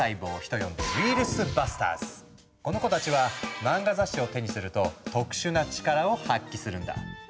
人呼んでこの子たちは漫画雑誌を手にすると特殊な力を発揮するんだ。